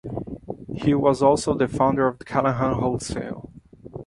He was also the founder of Callahan Wholesale.